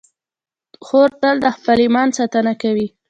خور تل د خپل ایمان ساتنه کوي.